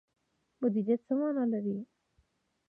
مدیریت څه مانا لري؟